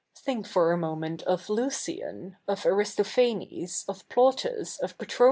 Think for a moment of Lucian, of Aristophanes, of Plautus, of Petro?